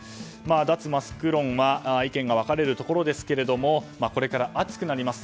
脱マスク論は意見が分かれるところですがこれから暑くなります。